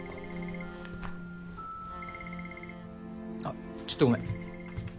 あっちょっとごめん。